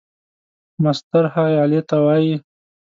مسطر هغې آلې ته وایي.